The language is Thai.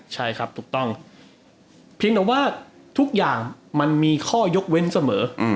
ใช่ครับถูกต้องเพียงแต่ว่าทุกอย่างมันมีข้อยกเว้นเสมอ